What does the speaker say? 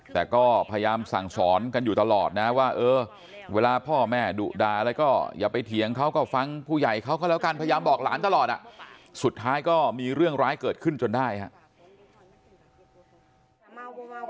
แต่ก็พยายามสั่งสอนกันอยู่ตลอดนะว่าเออเวลาพ่อแม่ดุดาอะไรก็อย่าไปเถียงเขาก็ฟังผู้ใหญ่เขาก็แล้วกันพยายามบอกหลานตลอดสุดท้ายก็มีเรื่องร้ายเกิดขึ้นจนได้ครับ